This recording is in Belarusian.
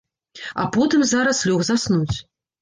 А потым зараз лёг заснуць.